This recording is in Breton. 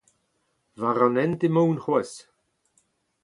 War an hent emaon c'hoazh.